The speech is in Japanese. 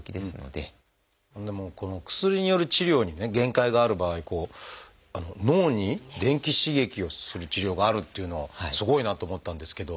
でもこの薬による治療に限界がある場合脳に電気刺激をする治療があるというのはすごいなあと思ったんですけど。